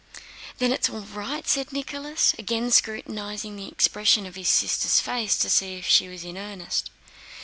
"Then it's all right?" said Nicholas, again scrutinizing the expression of his sister's face to see if she was in earnest.